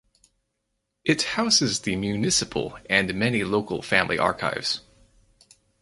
It houses the municipal and many local family archives.